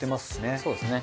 そうですね。